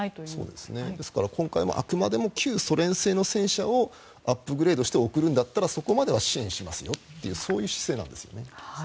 ですから今回もあくまでも旧ソ連製の戦車をアップグレードして送るんだったらそこまでは支援しますよという姿勢なんですよね。